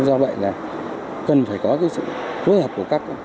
do vậy là cần phải có cái sự phối hợp của các